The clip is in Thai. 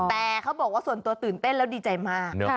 แต่เขาบอกว่าส่วนตัวตื่นเต้นแล้วดีใจมาก